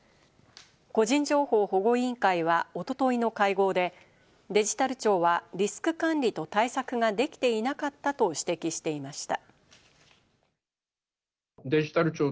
個人情報保護委員会は、おとといの会合でデジタル庁はリスク管理と対策ができていなかったと指摘していました。